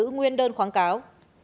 nữ nguyên đơn kháng cáo